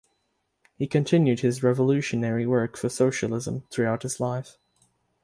He continued his revolutionary work for socialism throughout his life.